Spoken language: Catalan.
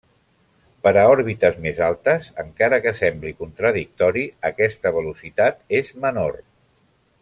Per a òrbites més altes, encara que sembli contradictori, aquesta velocitat és menor.